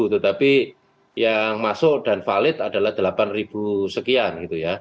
tetapi yang masuk dan valid adalah rp delapan sekian